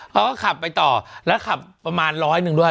เขาก็ขับไปต่อแล้วขับประมาณร้อยหนึ่งด้วย